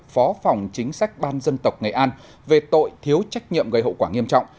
phó phòng chính sách ban dân tộc nghệ an về tội thiếu trách nhiệm gây hậu quả nghiêm trọng